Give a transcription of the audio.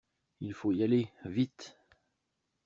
Il faut y aller, vite!